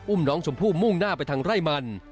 น้องชมพู่มุ่งหน้าไปทางไร่มัน